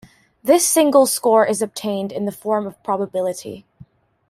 This single score is obtained in the form of probability.